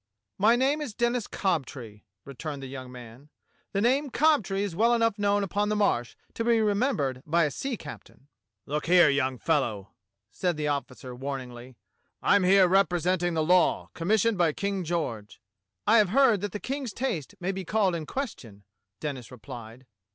"My name is Denis Cobtree," returned the young man. "The name Cobtree is well enough known upon the Marsh to be remembered by a sea captain." "Look here, young fellow," said the officer warningly, "I am here representing the law, commissioned by King George." "I have heard that the King's taste may be called in question," Denis replied.